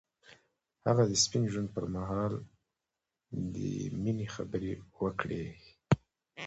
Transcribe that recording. هغه د سپین ژوند پر مهال د مینې خبرې وکړې.